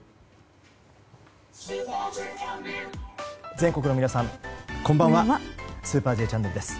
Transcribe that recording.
全国の皆さん、こんばんは「スーパーＪチャンネル」です。